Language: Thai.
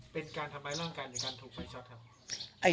เป็นการทำร้ายร่างกายหรือการถูกไฟช็อตครับ